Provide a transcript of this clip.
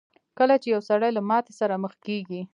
کله چې يو سړی له ماتې سره مخ کېږي.